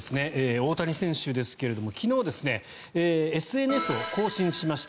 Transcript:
大谷選手ですが昨日、ＳＮＳを更新しました。